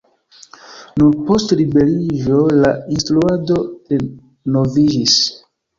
Nur post liberiĝo la instruado renoviĝis.